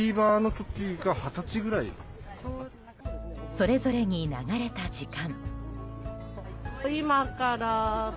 それぞれに流れた時間。